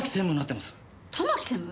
玉木専務？